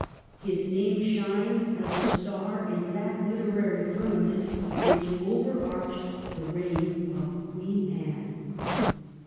His name shines as a star in that literary firmament which over arched the reign of Queen Anne.